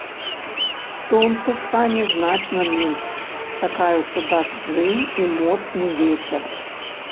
Сонца стане значна менш, чакаюцца дажджы і моцны вецер.